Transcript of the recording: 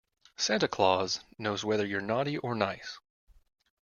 Santa Claus knows whether you're naughty or nice.